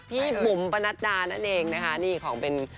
พี่บุ๋มปะนัดดานั่นเองนะคะนี่ของเป็น